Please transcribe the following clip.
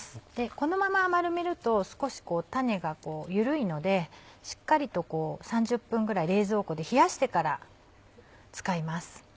このまま丸めると少しタネが緩いのでしっかりと３０分ぐらい冷蔵庫で冷やしてから使います。